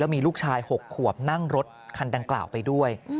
มีลูกชาย๖ขวบนั่งรถคันดังกล่าวไปด้วย